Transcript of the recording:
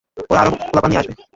ওরা আরো পোলাপান নিয়ে আসবে।